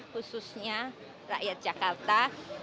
khususnya rakyat jakarta